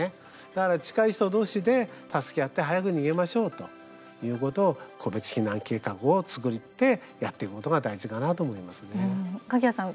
だから近い人どうしで助け合って早く逃げましょうということを個別避難計画を作ってやっていくことが鍵屋さん